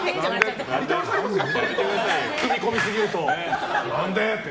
踏み込みすぎると何でって。